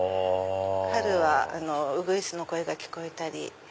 春はウグイスの声が聞こえたり。